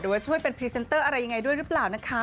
ว่าช่วยเป็นพรีเซนเตอร์อะไรยังไงด้วยหรือเปล่านะคะ